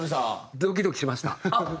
ドキドキしました。